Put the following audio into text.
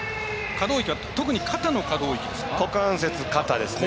可動域は肩の可動域ですか。